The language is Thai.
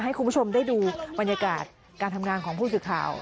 ให้คุณผู้ชมได้ดูบรรยากาศการทำงานของผู้สื่อข่าว